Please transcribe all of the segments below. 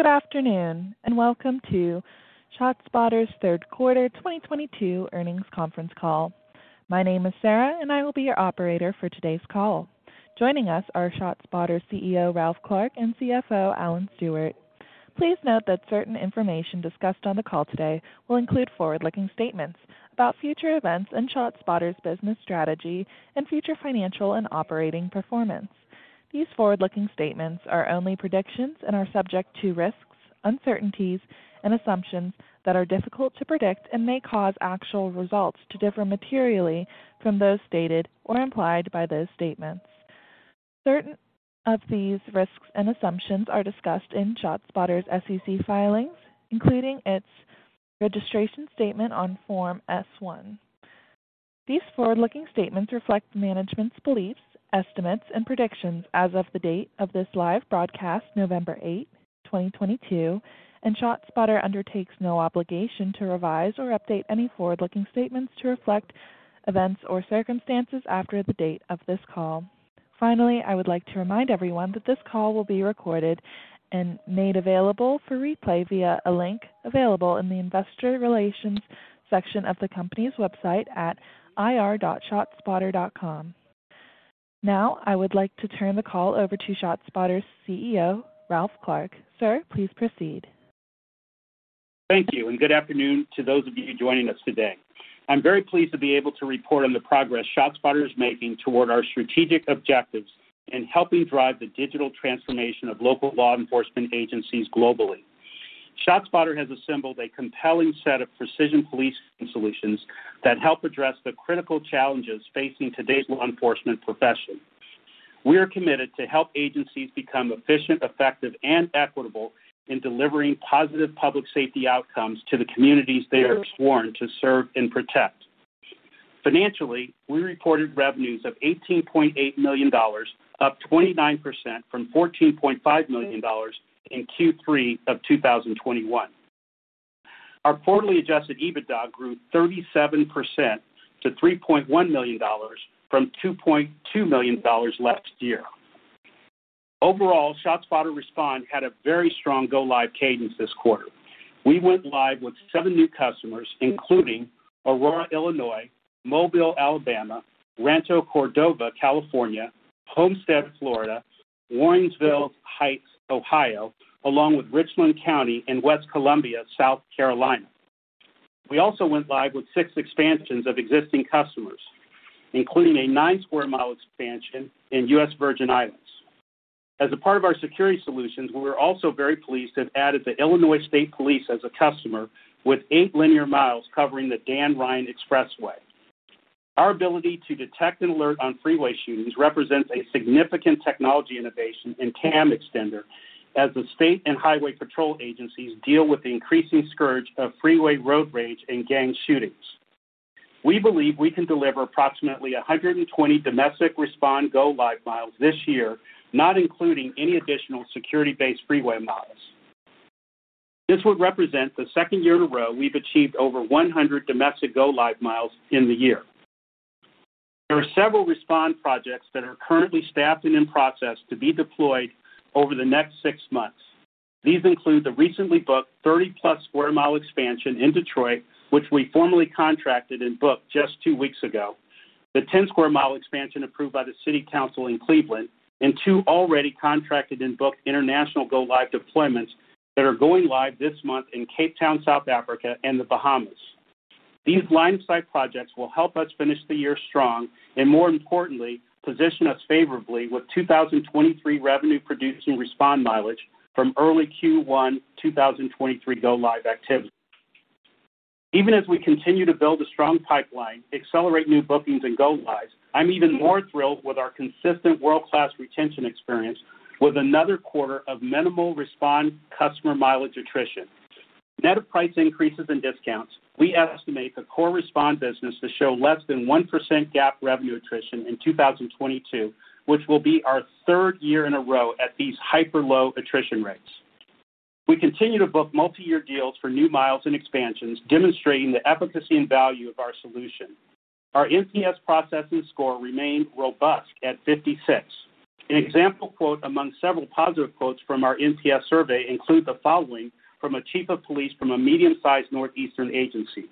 Good afternoon, and welcome to ShotSpotter's third quarter 2022 earnings conference call. My name is Sarah, and I will be your operator for today's call. Joining us are ShotSpotter's CEO, Ralph Clark, and CFO, Alan Stewart. Please note that certain information discussed on the call today will include forward-looking statements about future events and ShotSpotter's business strategy and future financial and operating performance. These forward-looking statements are only predictions and are subject to risks, uncertainties, and assumptions that are difficult to predict and may cause actual results to differ materially from those stated or implied by those statements. Certain of these risks and assumptions are discussed in ShotSpotter's SEC filings, including its registration statement on Form S-1. These forward-looking statements reflect management's beliefs, estimates, and predictions as of the date of this live broadcast, November 8, 2022, and ShotSpotter undertakes no obligation to revise or update any forward-looking statements to reflect events or circumstances after the date of this call. Finally, I would like to remind everyone that this call will be recorded and made available for replay via a link available in the investor relations section of the company's website at ir.shotspotter.com. Now, I would like to turn the call over to ShotSpotter's CEO, Ralph Clark. Sir, please proceed. Thank you. Good afternoon to those of you joining us today. I'm very pleased to be able to report on the progress ShotSpotter is making toward our strategic objectives in helping drive the digital transformation of local law enforcement agencies globally. ShotSpotter has assembled a compelling set of precision policing solutions that help address the critical challenges facing today's law enforcement profession. We are committed to help agencies become efficient, effective, and equitable in delivering positive public safety outcomes to the communities they are sworn to serve and protect. Financially, we reported revenues of $18.8 million, up 29% from $14.5 million in Q3 of 2021. Our quarterly adjusted EBITDA grew 37% to $3.1 million from $2.2 million last year. Overall, ShotSpotter Respond had a very strong go live cadence this quarter. We went live with seven new customers, including Aurora, Illinois, Mobile, Alabama, Rancho Cordova, California, Homestead, Florida, Warrensville Heights, Ohio, along with Richland County and West Columbia, South Carolina. As a part of our Security solutions, we're also very pleased to have added the Illinois State Police as a customer with eight linear miles covering the Dan Ryan Expressway. Our ability to detect and alert on freeway shootings represents a significant technology innovation in TAM extender as the state and highway patrol agencies deal with the increasing scourge of freeway road rage and gang shootings. We believe we can deliver approximately 120 domestic Respond go live miles this year, not including any additional Security-based freeway miles. This would represent the second year in a row we've achieved over 100 domestic go live miles in the year. There are several Respond projects that are currently staffed and in process to be deployed over the next six months. These include the recently booked 30-plus square mile expansion in Detroit, which we formally contracted and booked just two weeks ago, the 10-square mile expansion approved by the city council in Cleveland, and two already contracted and booked international go live deployments that are going live this month in Cape Town, South Africa, and the Bahamas. These line site projects will help us finish the year strong, and more importantly, position us favorably with 2023 revenue-producing Respond mileage from early Q1 2023 go live activity. Even as we continue to build a strong pipeline, accelerate new bookings, and go lives, I'm even more thrilled with our consistent world-class retention experience with another quarter of minimal Respond customer mileage attrition. Net of price increases and discounts, we estimate the core Respond business to show less than 1% GAAP revenue attrition in 2022, which will be our third year in a row at these hyper-low attrition rates. We continue to book multi-year deals for new miles and expansions, demonstrating the efficacy and value of our solution. Our NPS processing score remained robust at 56. An example quote among several positive quotes from our NPS survey include the following from a chief of police from a medium-sized northeastern agency.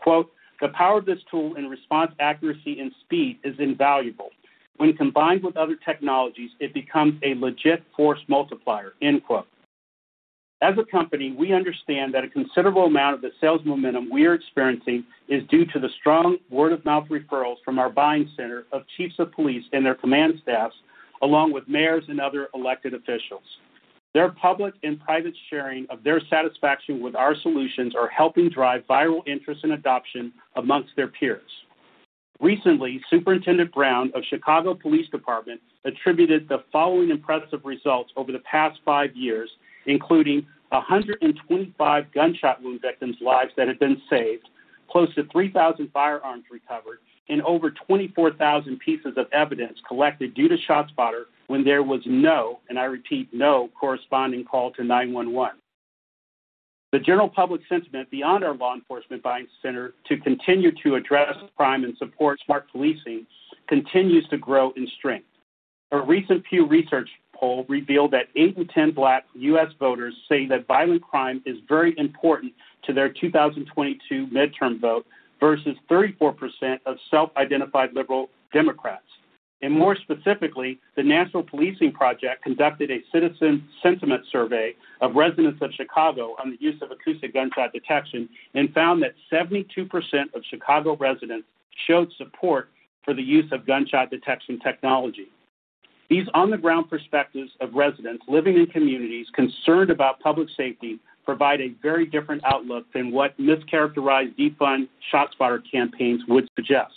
Quote, "The power of this tool in response accuracy and speed is invaluable. When combined with other technologies, it becomes a legit force multiplier." End quote. As a company, we understand that a considerable amount of the sales momentum we are experiencing is due to the strong word-of-mouth referrals from our buying center of chiefs of police and their command staffs, along with mayors and other elected officials. Their public and private sharing of their satisfaction with our solutions are helping drive viral interest and adoption amongst their peers. Recently, Superintendent Brown of Chicago Police Department attributed the following impressive results over the past five years, including 125 gunshot wound victims' lives that have been saved, close to 3,000 firearms recovered, and over 24,000 pieces of evidence collected due to ShotSpotter when there was no, and I repeat, no corresponding call to 911. The general public sentiment beyond our law enforcement buying center to continue to address crime and support smart policing continues to grow in strength. A recent Pew Research poll revealed that eight in 10 Black U.S. voters say that violent crime is very important to their 2022 midterm vote, versus 34% of self-identified liberal Democrats. More specifically, the National Policing Institute conducted a citizen sentiment survey of residents of Chicago on the use of acoustic gunshot detection and found that 72% of Chicago residents showed support for the use of gunshot detection technology. These on-the-ground perspectives of residents living in communities concerned about public safety provide a very different outlook than what mischaracterized defund ShotSpotter campaigns would suggest.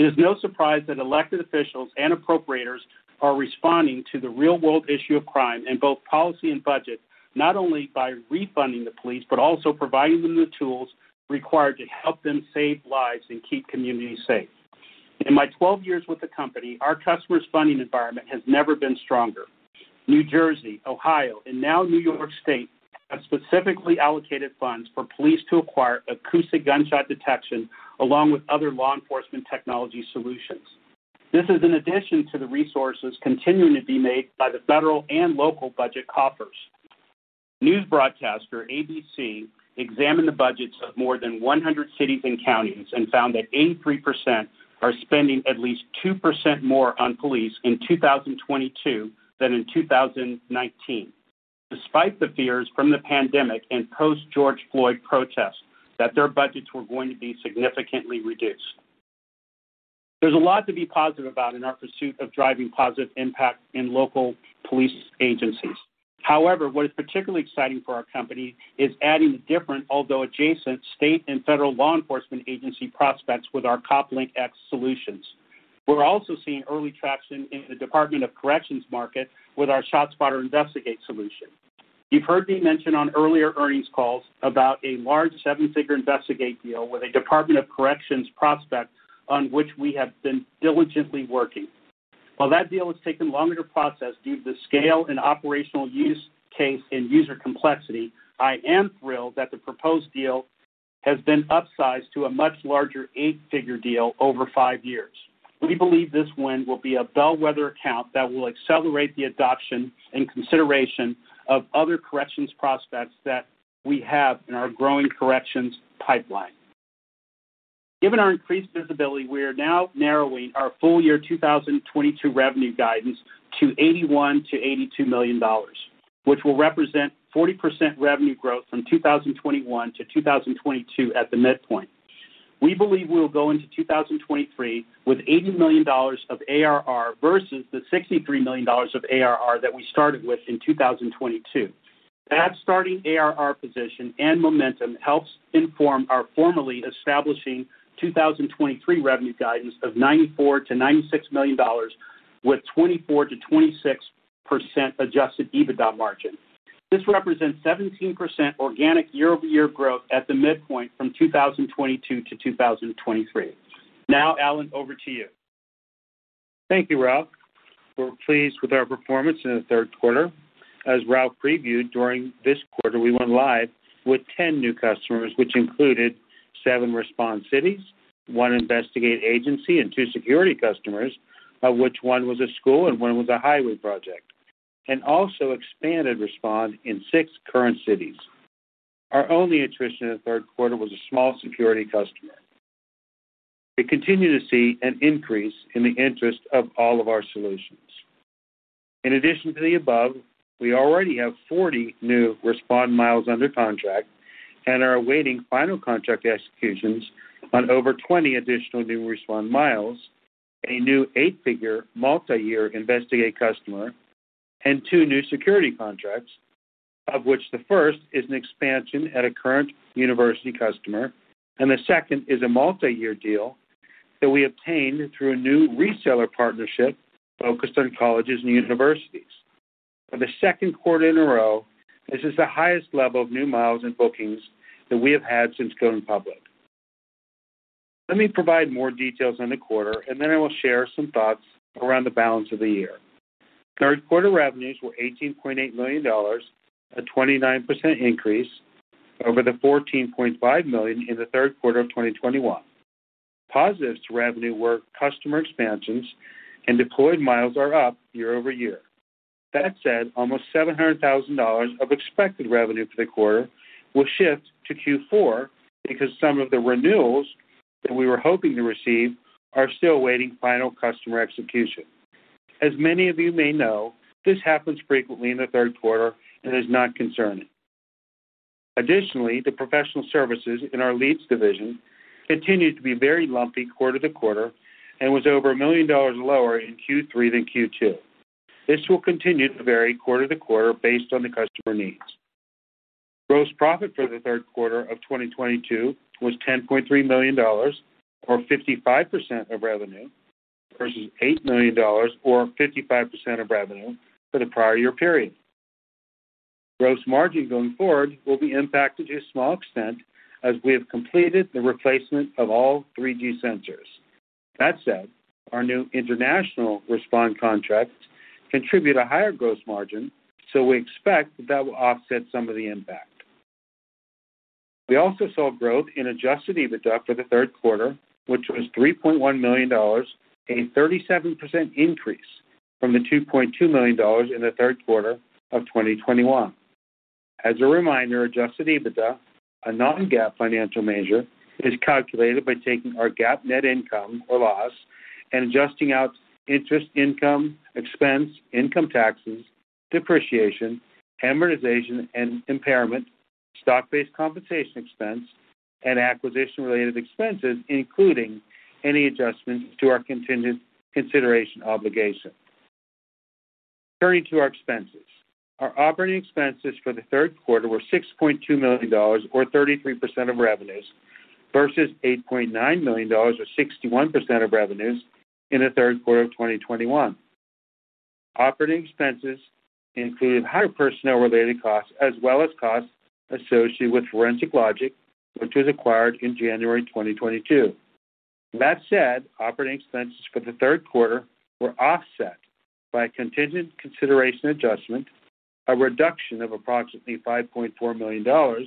It is no surprise that elected officials and appropriators are responding to the real-world issue of crime in both policy and budget, not only by refunding the police, but also providing them the tools required to help them save lives and keep communities safe. In my 12 years with the company, our customers' funding environment has never been stronger. New Jersey, Ohio, and now New York State have specifically allocated funds for police to acquire acoustic gunshot detection, along with other law enforcement technology solutions. This is in addition to the resources continuing to be made by the federal and local budget coffers. News broadcaster ABC examined the budgets of more than 100 cities and counties and found that 83% are spending at least 2% more on police in 2022 than in 2019, despite the fears from the pandemic and post-George Floyd protests that their budgets were going to be significantly reduced. There's a lot to be positive about in our pursuit of driving positive impact in local police agencies. What is particularly exciting for our company is adding different, although adjacent, state and federal law enforcement agency prospects with our CopLink X solutions. We're also seeing early traction in the Department of Corrections market with our ShotSpotter Investigate solution. You've heard me mention on earlier earnings calls about a large seven-figure Investigate deal with a Department of Corrections prospect on which we have been diligently working. While that deal has taken longer to process due to the scale and operational use case and user complexity, I am thrilled that the proposed deal has been upsized to a much larger eight-figure deal over five years. We believe this win will be a bellwether account that will accelerate the adoption and consideration of other corrections prospects that we have in our growing corrections pipeline. Given our increased visibility, we are now narrowing our full year 2022 revenue guidance to $81 million-$82 million, which will represent 40% revenue growth from 2021 to 2022 at the midpoint. We believe we will go into 2023 with $80 million of ARR versus the $63 million of ARR that we started with in 2022. That starting ARR position and momentum helps inform our formally establishing 2023 revenue guidance of $94 million-$96 million, with 24%-26% adjusted EBITDA margin. This represents 17% organic year-over-year growth at the midpoint from 2022 to 2023. Alan, over to you. Thank you, Ralph. We're pleased with our performance in the third quarter. As Ralph previewed, during this quarter, we went live with 10 new customers, which included seven Respond cities, one Investigate agency, and two Security customers, of which one was a school and one was a highway project, and also expanded Respond in six current cities. Our only attrition in the third quarter was a small Security customer. We continue to see an increase in the interest of all of our solutions. In addition to the above, we already have 40 new Respond miles under contract and are awaiting final contract executions on over 20 additional new Respond miles, a new eight-figure multi-year Investigate customer, and two new Security contracts, of which the first is an expansion at a current university customer, and the second is a multi-year deal that we obtained through a new reseller partnership focused on colleges and universities. For the second quarter in a row, this is the highest level of new miles and bookings that we have had since going public. Let me provide more details on the quarter, and then I will share some thoughts around the balance of the year. Third quarter revenues were $18.8 million, a 29% increase over the $14.5 million in the third quarter of 2021. Positives to revenue were customer expansions and deployed miles are up year-over-year. That said, almost $700,000 of expected revenue for the quarter will shift to Q4 because some of the renewals that we were hoping to receive are still awaiting final customer execution. As many of you may know, this happens frequently in the third quarter and is not concerning. Additionally, the professional services in our LEADS division continued to be very lumpy quarter-to-quarter and was over $1 million lower in Q3 than Q2. This will continue to vary quarter-to-quarter based on the customer needs. Gross profit for the third quarter of 2022 was $10.3 million, or 55% of revenue, versus $8 million, or 55% of revenue, for the prior year period. Gross margin going forward will be impacted to a small extent as we have completed the replacement of all 3G sensors. That said, our new international Respond contracts contribute a higher gross margin, so we expect that will offset some of the impact. We also saw growth in adjusted EBITDA for the third quarter, which was $3.1 million, a 37% increase from the $2.2 million in the third quarter of 2021. As a reminder, adjusted EBITDA, a non-GAAP financial measure, is calculated by taking our GAAP net income or loss and adjusting out interest income, expense, income taxes, depreciation, amortization, and impairment, stock-based compensation expense, and acquisition-related expenses, including any adjustments to our contingent consideration obligation. Turning to our expenses. Our operating expenses for the third quarter were $6.2 million, or 33% of revenues, versus $8.9 million, or 61% of revenues in the third quarter of 2021. Operating expenses included higher personnel-related costs as well as costs associated with Forensic Logic, which was acquired in January 2022. That said, operating expenses for the third quarter were offset by a contingent consideration adjustment, a reduction of approximately $5.4 million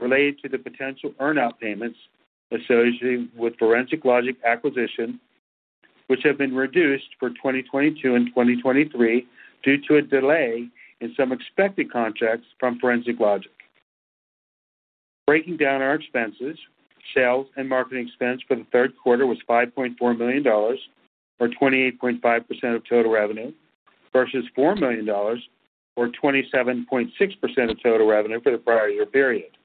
related to the potential earn-out payments associated with Forensic Logic acquisition, which have been reduced for 2022 and 2023 due to a delay in some expected contracts from Forensic Logic. Breaking down our expenses, sales and marketing expense for the third quarter was $5.4 million, or 28.5% of total revenue, versus $4 million, or 27.6% of total revenue for the prior year period.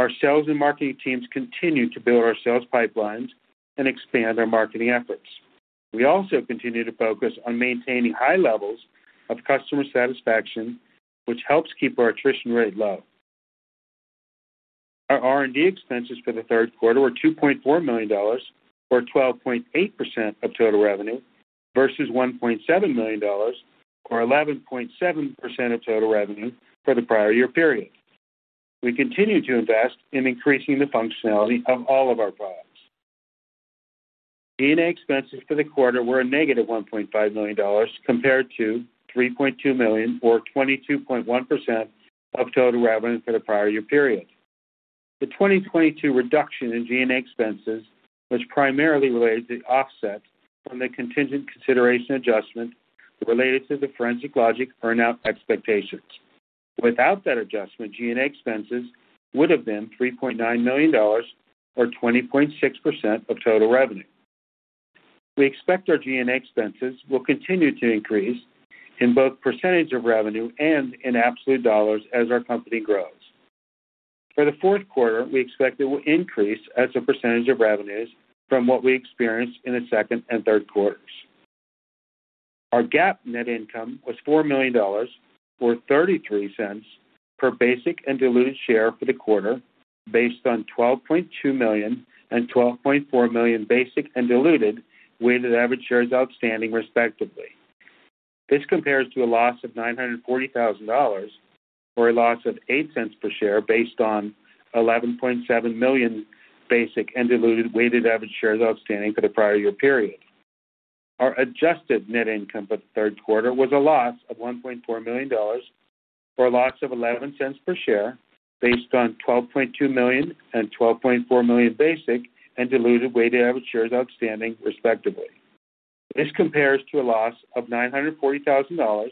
Our sales and marketing teams continue to build our sales pipelines and expand our marketing efforts. We also continue to focus on maintaining high levels of customer satisfaction, which helps keep our attrition rate low. Our R&D expenses for the third quarter were $2.4 million, or 12.8% of total revenue, versus $1.7 million, or 11.7% of total revenue for the prior year period. We continue to invest in increasing the functionality of all of our products. G&A expenses for the quarter were a negative $1.5 million compared to $3.2 million, or 22.1% of total revenue for the prior year period. The 2022 reduction in G&A expenses was primarily related to offsets from the contingent consideration adjustment related to the Forensic Logic earn-out expectations. Without that adjustment, G&A expenses would have been $3.9 million, or 20.6% of total revenue. We expect our G&A expenses will continue to increase in both percentage of revenue and in absolute dollars as our company grows. For the fourth quarter, we expect it will increase as a percentage of revenues from what we experienced in the second and third quarters. Our GAAP net income was $4 million, or $0.33 per basic and diluted share for the quarter, based on 12.2 million and 12.4 million basic and diluted weighted average shares outstanding, respectively. This compares to a loss of $940,000, or a loss of $0.08 per share based on 11.7 million basic and diluted weighted average shares outstanding for the prior year period. Our adjusted net income for the third quarter was a loss of $1.4 million, or a loss of $0.11 per share, based on 12.2 million and 12.4 million basic and diluted weighted average shares outstanding, respectively. This compares to a loss of $940,000,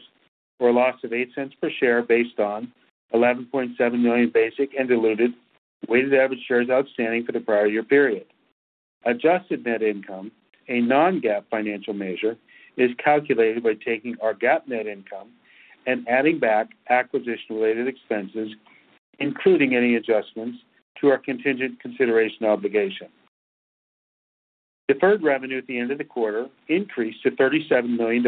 or a loss of $0.08 per share based on 11.7 million basic and diluted weighted average shares outstanding for the prior year period. Adjusted net income, a non-GAAP financial measure, is calculated by taking our GAAP net income and adding back acquisition-related expenses, including any adjustments to our contingent consideration obligation. Deferred revenue at the end of the quarter increased to $37 million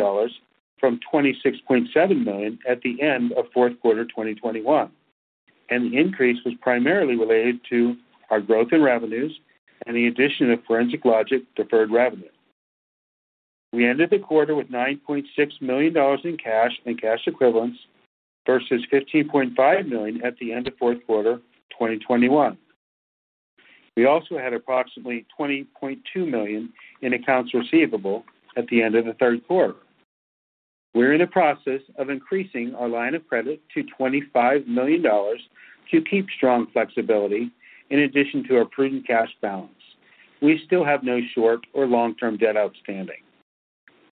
from $26.7 million at the end of fourth quarter 2021. The increase was primarily related to our growth in revenues and the addition of Forensic Logic deferred revenue. We ended the quarter with $9.6 million in cash and cash equivalents versus $15.5 million at the end of fourth quarter 2021. We also had approximately $20.2 million in accounts receivable at the end of the third quarter. We're in the process of increasing our line of credit to $25 million to keep strong flexibility in addition to our prudent cash balance. We still have no short or long-term debt outstanding.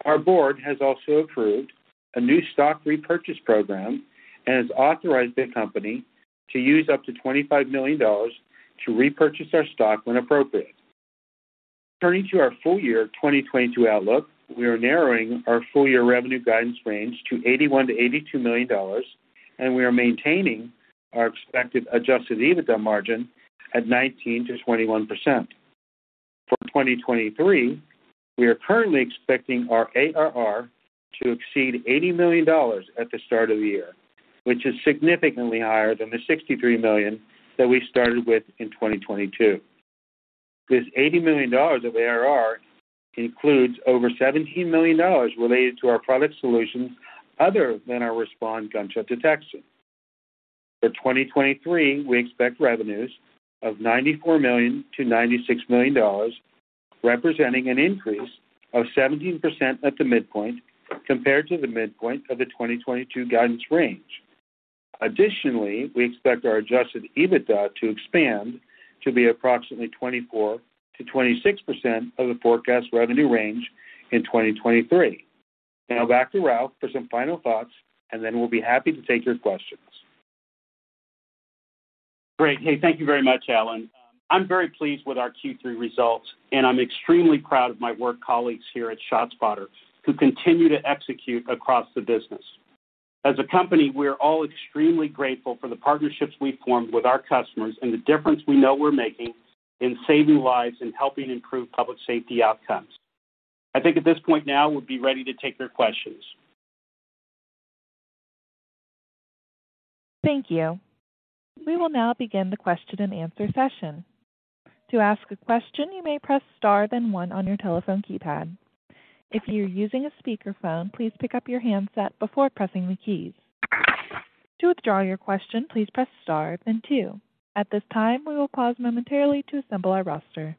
Our board has also approved a new stock repurchase program and has authorized the company to use up to $25 million to repurchase our stock when appropriate. Turning to our full year 2022 outlook, we are narrowing our full-year revenue guidance range to $81 million-$82 million. We are maintaining our expected adjusted EBITDA margin at 19%-21%. For 2023, we are currently expecting our ARR to exceed $80 million at the start of the year, which is significantly higher than the $63 million that we started with in 2022. This $80 million of ARR includes over $17 million related to our product solutions other than our Respond gunshot detection. For 2023, we expect revenues of $94 million-$96 million, representing an increase of 17% at the midpoint compared to the midpoint of the 2022 guidance range. We expect our adjusted EBITDA to expand to be approximately 24%-26% of the forecast revenue range in 2023. Back to Ralph for some final thoughts, we'll be happy to take your questions. Great. Hey, thank you very much, Alan. I'm very pleased with our Q3 results, and I'm extremely proud of my work colleagues here at ShotSpotter who continue to execute across the business. We're all extremely grateful for the partnerships we've formed with our customers and the difference we know we're making in saving lives and helping improve public safety outcomes. I think at this point now, we'll be ready to take your questions. Thank you. We will now begin the question and answer session. To ask a question, you may press star then one on your telephone keypad. If you're using a speakerphone, please pick up your handset before pressing the keys. To withdraw your question, please press star then two. We will pause momentarily to assemble our roster.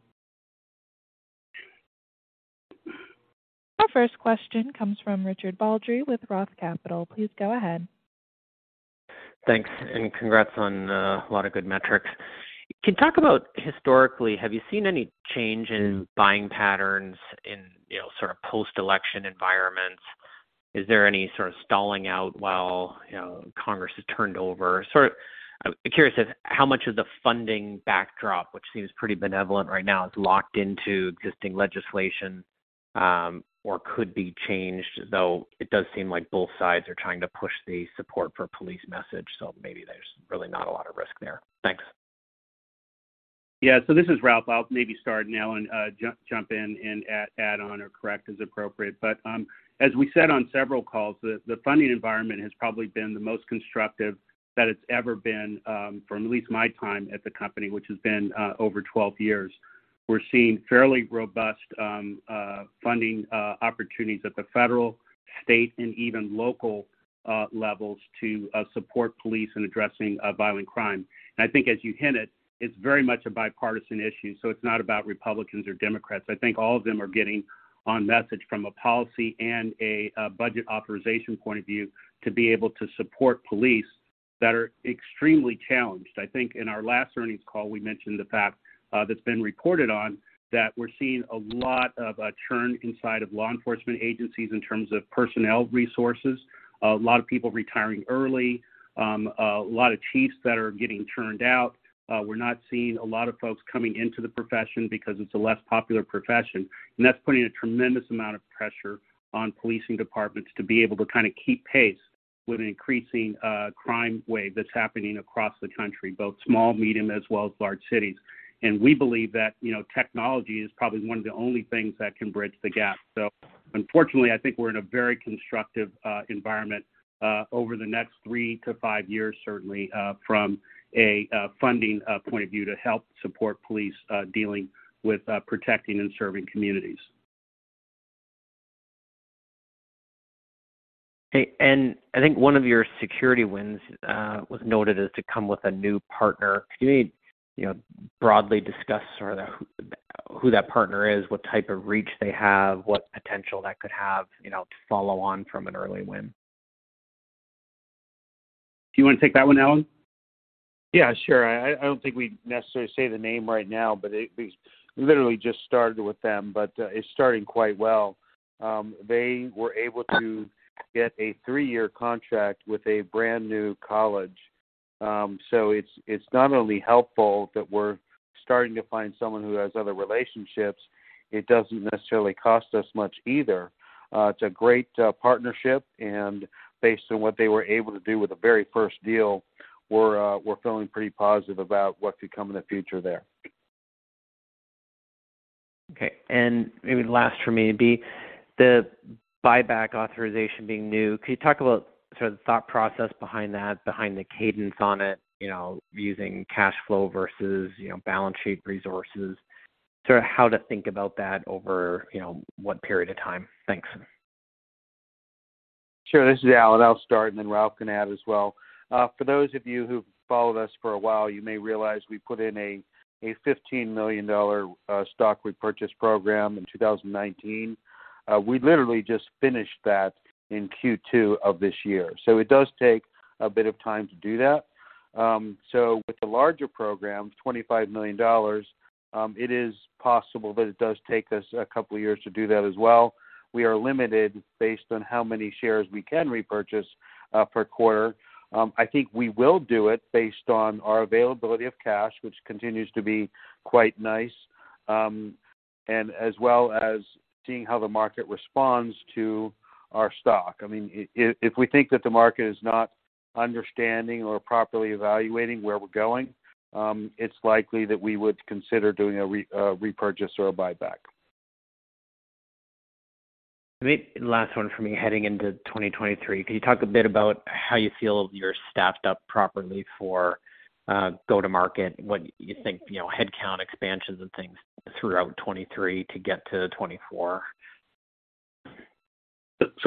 Our first question comes from Richard Baldry with Roth Capital. Please go ahead. Thanks. Congrats on a lot of good metrics. Can you talk about historically, have you seen any change in buying patterns in sort of post-election environments? Is there any sort of stalling out while Congress has turned over? Sort of curious if how much of the funding backdrop, which seems pretty benevolent right now, is locked into existing legislation, or could be changed, though it does seem like both sides are trying to push the support for police message, maybe there's really not a lot of risk there. Thanks. Yeah. This is Ralph. I'll maybe start. Alan jump in and add on or correct as appropriate. As we said on several calls, the funding environment has probably been the most constructive that it's ever been, from at least my time at the company, which has been over 12 years. We're seeing fairly robust funding opportunities at the federal, state, and even local levels to support police in addressing violent crime. I think as you hinted, it's very much a bipartisan issue, it's not about Republicans or Democrats. I think all of them are getting on message from a policy and a budget authorization point of view to be able to support police that are extremely challenged. I think in our last earnings call, we mentioned the fact that's been reported on that we're seeing a lot of churn inside of law enforcement agencies in terms of personnel resources. A lot of people retiring early, a lot of chiefs that are getting churned out. We're not seeing a lot of folks coming into the profession because it's a less popular profession, and that's putting a tremendous amount of pressure on policing departments to be able to kind of keep pace with an increasing crime wave that's happening across the country, both small, medium, as well as large cities. We believe that technology is probably one of the only things that can bridge the gap. Unfortunately, I think we're in a very constructive environment over the next three to five years, certainly from a funding point of view, to help support police dealing with protecting and serving communities. Hey. I think one of your Security wins was noted as to come with a new partner. Can you broadly discuss sort of who that partner is, what type of reach they have, what potential that could have to follow on from an early win? Do you want to take that one, Alan? Yeah, sure. I don't think we'd necessarily say the name right now, but we literally just started with them, but it's starting quite well. They were able to get a three-year contract with a brand-new college. It's not only helpful that we're starting to find someone who has other relationships, it doesn't necessarily cost us much either. It's a great partnership, and based on what they were able to do with the very first deal, we're feeling pretty positive about what could come in the future there. Okay, maybe last for me would be the buyback authorization being new. Can you talk about sort of the thought process behind that, behind the cadence on it, using cash flow versus balance sheet resources, sort of how to think about that over what period of time? Thanks. Sure. This is Alan. I'll start and then Ralph can add as well. For those of you who've followed us for a while, you may realize we put in a $15 million stock repurchase program in 2019. We literally just finished that in Q2 of this year, so it does take a bit of time to do that. With the larger program, $25 million, it is possible that it does take us a couple of years to do that as well. We are limited based on how many shares we can repurchase per quarter. I think we will do it based on our availability of cash, which continues to be quite nice, and as well as seeing how the market responds to our stock. If we think that the market is not understanding or properly evaluating where we're going, it's likely that we would consider doing a repurchase or a buyback. Maybe last one from me. Heading into 2023, can you talk a bit about how you feel you're staffed up properly for go to market? What you think headcount expansions and things throughout 2023 to get to 2024?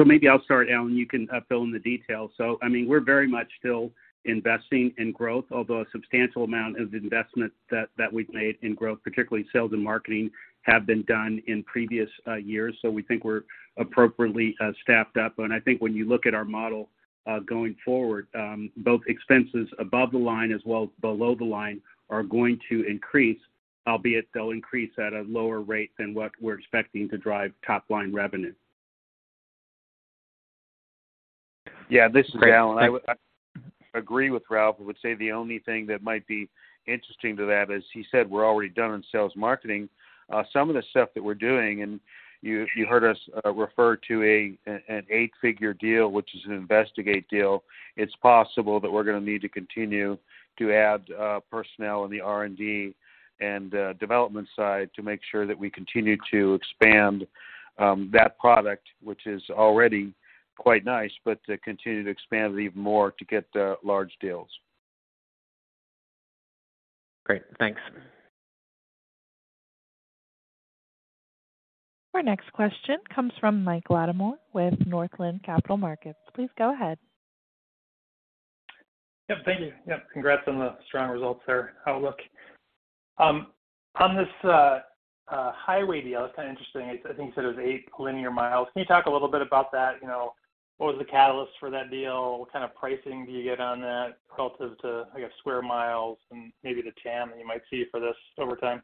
Maybe I'll start, Alan, you can fill in the details. We're very much still investing in growth, although a substantial amount of investment that we've made in growth, particularly sales and marketing, have been done in previous years. We think we're appropriately staffed up. I think when you look at our model going forward, both expenses above the line as well below the line are going to increase, albeit they'll increase at a lower rate than what we're expecting to drive top-line revenue. Yeah, this is Alan. I agree with Ralph. I would say the only thing that might be interesting to that is he said we're already done on sales marketing. Some of the stuff that we're doing, and you heard us refer to an 8-figure deal, which is an Investigate deal. It's possible that we're going to need to continue to add personnel in the R&D and development side to make sure that we continue to expand that product, which is already quite nice, but to continue to expand it even more to get large deals. Great. Thanks. Our next question comes from Michael Latimore with Northland Capital Markets. Please go ahead. Thank you. Congrats on the strong results there, outlook. On this highway deal, it's kind of interesting. I think you said it was eight linear miles. Can you talk a little bit about that? What was the catalyst for that deal? What kind of pricing do you get on that relative to, I guess, square miles and maybe the TAM that you might see for this over time?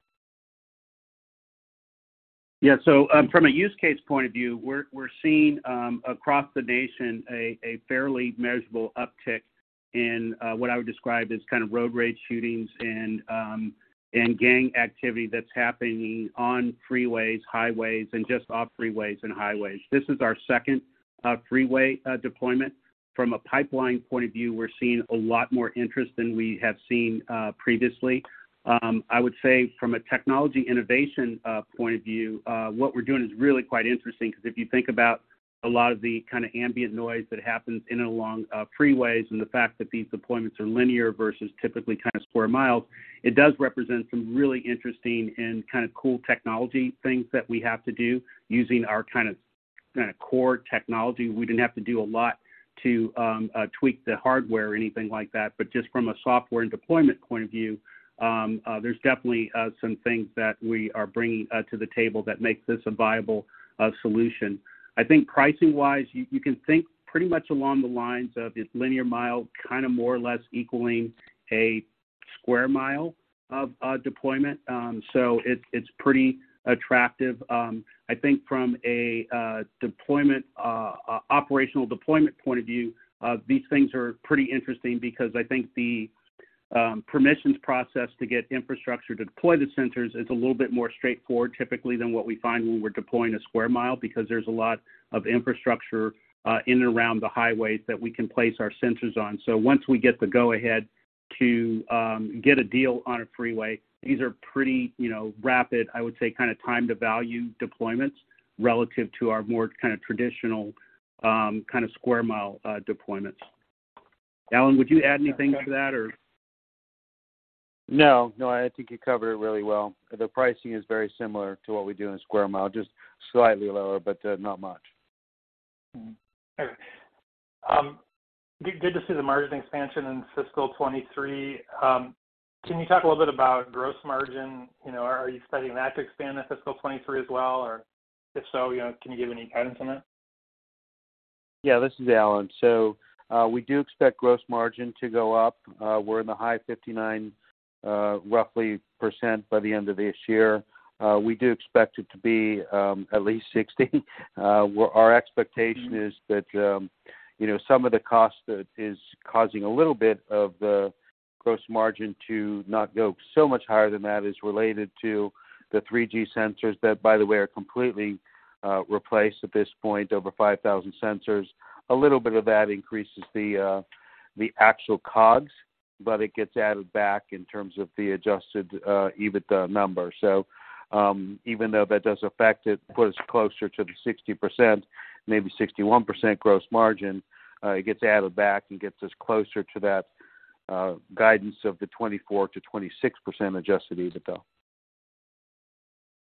From a use case point of view, we're seeing across the nation a fairly measurable uptick in what I would describe as kind of road rage shootings and gang activity that's happening on freeways, highways, and just off freeways and highways. This is our second freeway deployment. From a pipeline point of view, we're seeing a lot more interest than we have seen previously. I would say from a technology innovation point of view, what we're doing is really quite interesting, because if you think about a lot of the ambient noise that happens in and along freeways and the fact that these deployments are linear versus typically square miles, it does represent some really interesting and kind of cool technology things that we have to do using our core technology. We didn't have to do a lot to tweak the hardware or anything like that. Just from a software and deployment point of view, there's definitely some things that we are bringing to the table that makes this a viable solution. I think pricing-wise, you can think pretty much along the lines of it's linear mile more or less equaling a square mile of deployment. It's pretty attractive. I think from an operational deployment point of view, these things are pretty interesting because I think the permissions process to get infrastructure to deploy the sensors is a little bit more straightforward typically than what we find when we're deploying a square mile, because there's a lot of infrastructure in and around the highways that we can place our sensors on. Once we get the go ahead to get a deal on a freeway, these are pretty rapid, I would say, time to value deployments relative to our more traditional square mile deployments. Alan, would you add anything to that, or? No. I think you covered it really well. The pricing is very similar to what we do in a square mile, just slightly lower, but not much. Okay. Good to see the margin expansion in fiscal 2023. Can you talk a little bit about gross margin? Are you expecting that to expand in fiscal 2023 as well? If so, can you give any guidance on it? This is Alan. We do expect gross margin to go up. We are in the high 59%, roughly, by the end of this year. We do expect it to be at least 60%. Our expectation is that some of the cost that is causing a little bit of the gross margin to not go so much higher than that is related to the 3G sensors that, by the way, are completely replaced at this point, over 5,000 sensors. A little bit of that increases the actual COGS, but it gets added back in terms of the adjusted EBITDA number. Even though that does affect it, put us closer to the 60%, maybe 61% gross margin, it gets added back and gets us closer to that guidance of the 24%-26% adjusted EBITDA.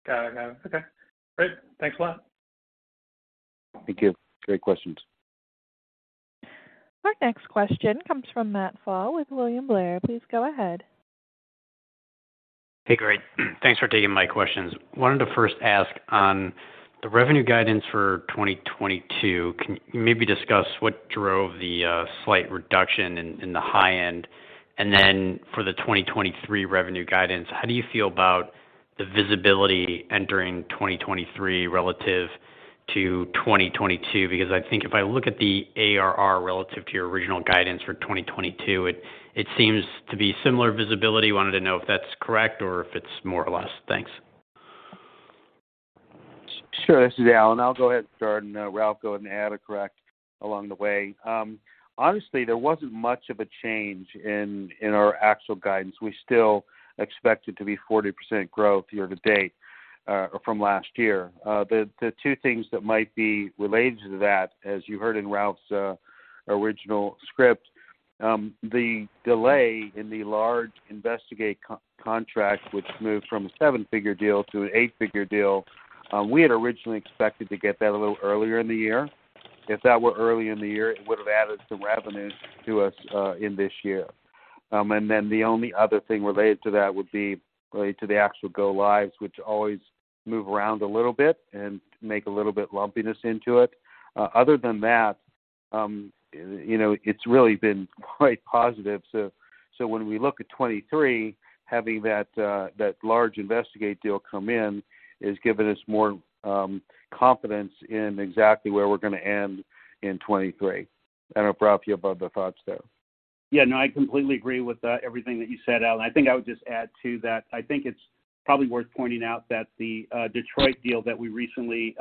Got it. Okay, great. Thanks a lot. Thank you. Great questions. Our next question comes from Matt Pfau with William Blair. Please go ahead. Hey, great. Thanks for taking my questions. Wanted to first ask on the revenue guidance for 2022, can you maybe discuss what drove the slight reduction in the high end? Then for the 2023 revenue guidance, how do you feel about the visibility entering 2023 relative to 2022? Because I think if I look at the ARR relative to your original guidance for 2022, it seems to be similar visibility. Wanted to know if that's correct or if it's more or less. Thanks. Sure. This is Alan. I'll go ahead and start, and Ralph go ahead and add or correct along the way. Honestly, there wasn't much of a change in our actual guidance. We still expect it to be 40% growth year to date from last year. The two things that might be related to that, as you heard in Ralph's original script. The delay in the large Investigate contract, which moved from a seven-figure deal to an eight-figure deal, we had originally expected to get that a little earlier in the year. If that were early in the year, it would've added some revenue to us in this year. Then the only other thing related to that would be related to the actual go lives, which always move around a little bit and make a little bit lumpiness into it. Other than that, it's really been quite positive. When we look at 2023, having that large Investigate deal come in has given us more confidence in exactly where we're going to end in 2023. I don't know, Ralph, you have other thoughts there. Yeah. No, I completely agree with everything that you said, Alan. I think I would just add to that, I think it's probably worth pointing out that the Detroit deal that we recently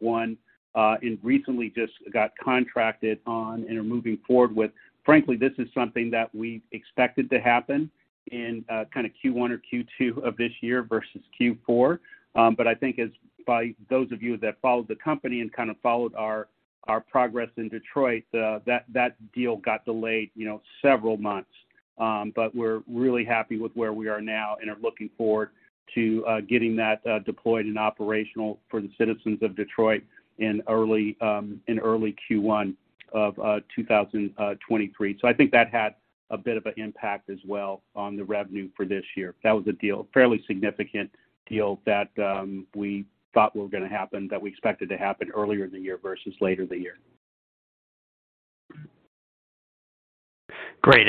won and recently just got contracted on and are moving forward with, frankly, this is something that we expected to happen in Q1 or Q2 of this year versus Q4. I think as by those of you that followed the company and followed our progress in Detroit, that deal got delayed several months. We're really happy with where we are now and are looking forward to getting that deployed and operational for the citizens of Detroit in early Q1 of 2023. I think that had a bit of an impact as well on the revenue for this year. That was a fairly significant deal that we thought were going to happen, that we expected to happen earlier in the year versus later in the year. Great.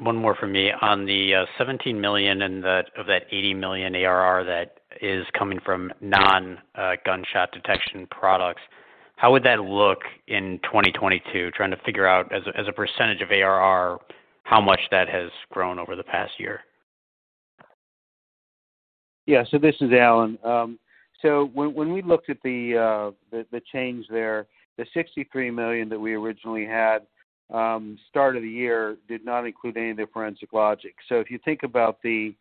One more from me. On the $17 million of that $80 million ARR that is coming from non-gunshot detection products, how would that look in 2022? Trying to figure out as a % of ARR, how much that has grown over the past year. Yeah. This is Alan. When we looked at the change there, the $63 million that we originally had start of the year did not include any of the Forensic Logic. If you think about the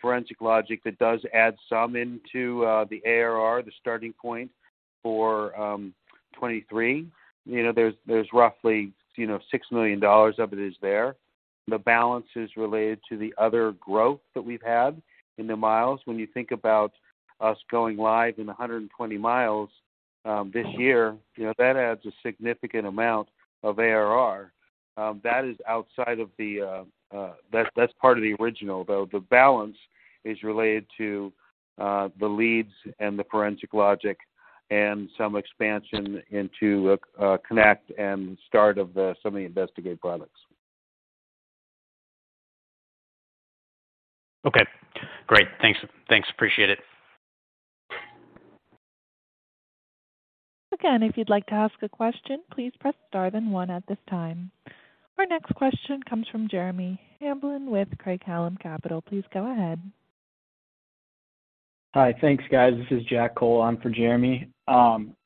Forensic Logic, that does add some into the ARR, the starting point for 2023. There's roughly $6 million of it is there. The balance is related to the other growth that we've had in the miles. When you think about us going live in 120 miles this year, that adds a significant amount of ARR. That's part of the original, though. The balance is related to the LEADS and the Forensic Logic and some expansion into Connect and start of some of the Investigate products. Okay, great. Thanks, appreciate it. Again, if you'd like to ask a question, please press star then one at this time. Our next question comes from Jeremy Hamblin with Craig-Hallum Capital. Please go ahead. Hi. Thanks, guys. This is Jack Cole on for Jeremy.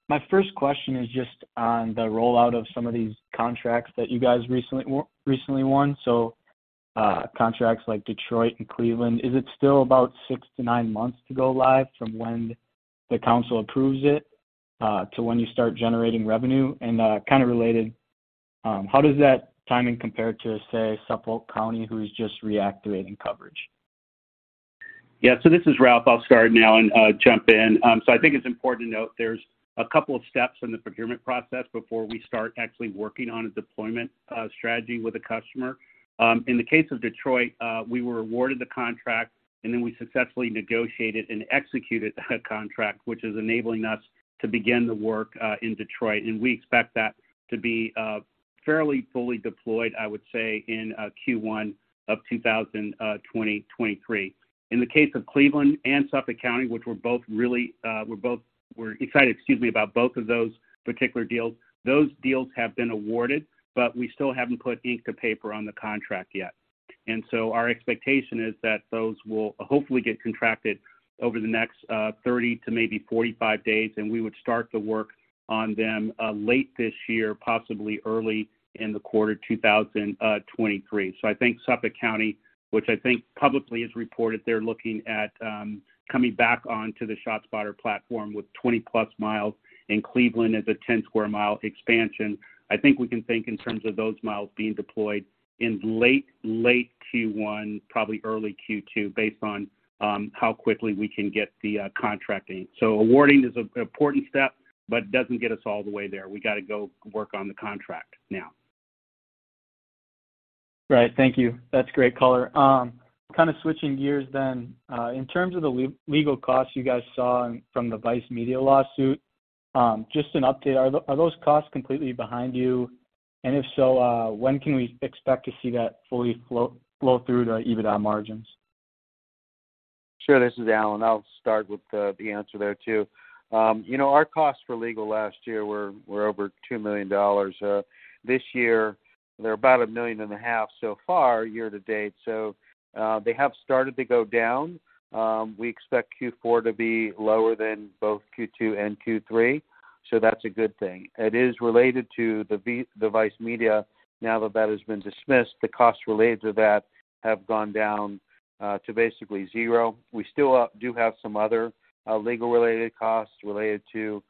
My first question is just on the rollout of some of these contracts that you guys recently won. Contracts like Detroit and Cleveland, is it still about six to nine months to go live from when the council approves it to when you start generating revenue? Kind of related, how does that timing compare to, say, Suffolk County, who's just reactivating coverage? Yeah. This is Ralph. I'll start now and jump in. I think it's important to note there's a couple of steps in the procurement process before we start actually working on a deployment strategy with a customer. In the case of Detroit, we were awarded the contract, and then we successfully negotiated and executed that contract, which is enabling us to begin the work in Detroit, and we expect that to be fairly fully deployed, I would say, in Q1 of 2023. In the case of Cleveland and Suffolk County, we're excited about both of those particular deals. Those deals have been awarded, but we still haven't put ink to paper on the contract yet. Our expectation is that those will hopefully get contracted over the next 30 to maybe 45 days, and we would start the work on them late this year, possibly early in the quarter 2023. I think Suffolk County, which I think publicly has reported they're looking at coming back onto the ShotSpotter platform with 20-plus miles, and Cleveland is a 10-square mile expansion. I think we can think in terms of those miles being deployed in late Q1, probably early Q2, based on how quickly we can get the contracting. Awarding is an important step, but doesn't get us all the way there. We got to go work on the contract now. Right. Thank you. That's great color. Kind of switching gears then. In terms of the legal costs you guys saw from the Vice Media lawsuit, just an update, are those costs completely behind you? If so, when can we expect to see that fully flow through to EBITDA margins? Sure. This is Alan. I'll start with the answer there, too. Our costs for legal last year were over $2 million. This year, they're about $1.5 million so far year to date, so they have started to go down. We expect Q4 to be lower than both Q2 and Q3, so that's a good thing. It is related to the Vice Media. That has been dismissed, the costs related to that have gone down to basically zero. We still do have some other legal-related costs related to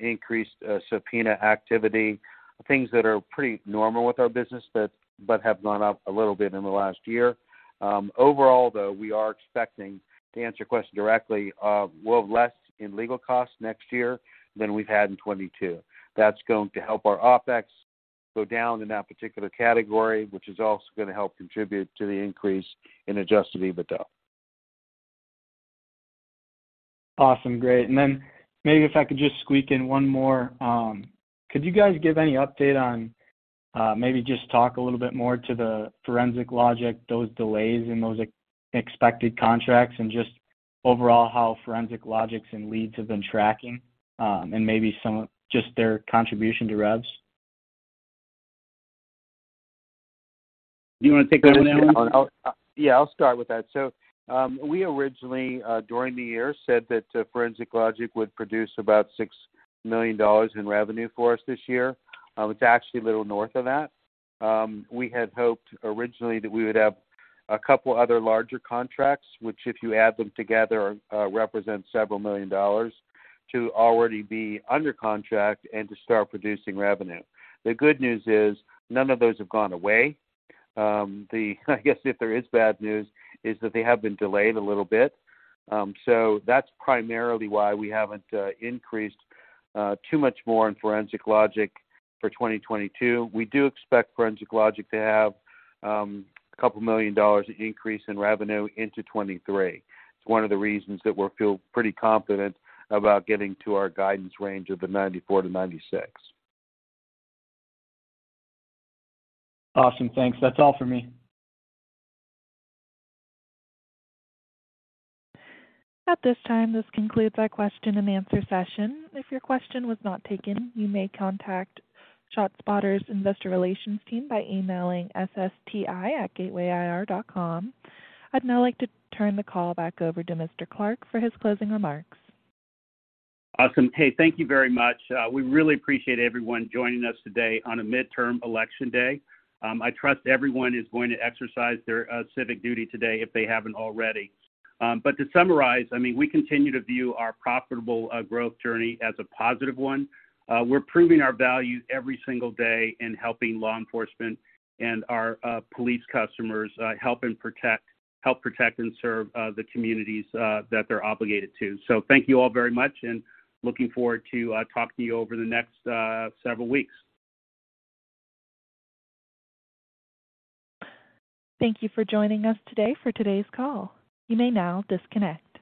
increased subpoena activity, things that are pretty normal with our business, but have gone up a little bit in the last year. Overall, we are expecting, to answer your question directly, we'll have less in legal costs next year than we've had in 2022. That's going to help our OPEX go down in that particular category, which is also going to help contribute to the increase in adjusted EBITDA. Awesome. Great. Maybe if I could just squeak in one more. Could you guys give any update on talk a little bit more to the Forensic Logic, those delays and those expected contracts, and just overall how Forensic Logic and LEADS have been tracking, and just their contribution to revs? Do you want to take that one, Alan? I'll start with that. We originally, during the year, said that Forensic Logic would produce about $6 million in revenue for us this year. It's actually a little north of that. We had hoped originally that we would have a couple other larger contracts, which, if you add them together, represent several million dollars, to already be under contract and to start producing revenue. The good news is none of those have gone away. I guess if there is bad news, it's that they have been delayed a little bit. That's primarily why we haven't increased too much more in Forensic Logic for 2022. We do expect Forensic Logic to have a couple million dollars increase in revenue into 2023. It's one of the reasons that we feel pretty confident about getting to our guidance range of the $94-$96. Awesome. Thanks. That's all for me. At this time, this concludes our question and answer session. If your question was not taken, you may contact ShotSpotter's investor relations team by emailing ssti@gatewayir.com. I'd now like to turn the call back over to Mr. Clark for his closing remarks. Awesome. Thank you very much. We really appreciate everyone joining us today on a midterm election day. I trust everyone is going to exercise their civic duty today if they haven't already. To summarize, we continue to view our profitable growth journey as a positive one. We're proving our value every single day in helping law enforcement and our police customers help protect and serve the communities that they're obligated to. Thank you all very much, and looking forward to talking to you over the next several weeks. Thank you for joining us today for today's call. You may now disconnect.